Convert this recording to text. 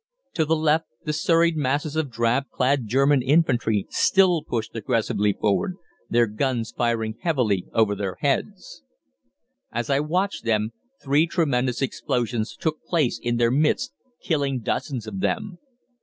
To the left the serried masses of drab clad German infantry still pushed aggressively forward, their guns firing heavily over their heads. [Illustration: BATTLE OF HARLOW FINAL PHASE] "As I watched them three tremendous explosions took place in their midst, killing dozens of them.